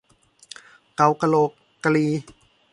เก่ากะโหลกกะลี